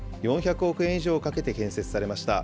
４００億円以上かけて建設されました。